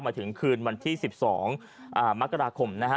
มาถึงคืนวันที่๑๒มกราคมนะฮะ